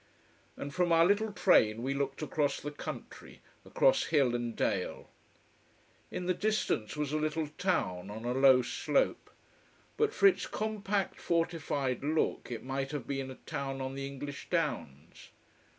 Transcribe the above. And from our little train we looked across the country, across hill and dale. In the distance was a little town, on a low slope. But for its compact, fortified look it might have been a town on the English downs.